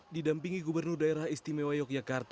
di dampingi gubernur daerah istimewa yogyakarta